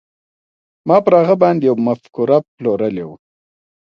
ما پر هغه باندې يوه مفکوره پلورلې وه.